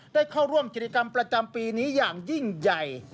ได้เข้าร่วมกิจกรรมประจำปีนี้อย่างยิ่งใหญ่